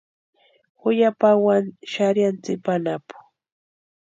Ju ya pawani xarhiani tsipa anapu.